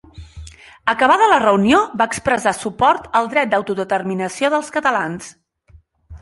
Acabada la reunió, va expressar suport al dret d’autodeterminació dels catalans.